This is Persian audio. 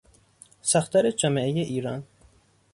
ساختار جامعهی ایران